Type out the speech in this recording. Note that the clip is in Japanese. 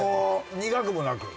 苦くもなく。